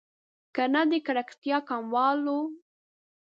کرنه د ککړتیا کمولو کې مرسته کوي.